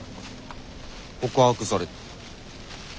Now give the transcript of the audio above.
告白された。